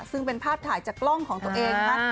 ซึ่งเป็นภาพถ่ายจากกล้องของตัวเองนะคะ